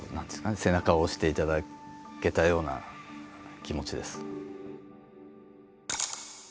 背中を押していただけたような気持ちです。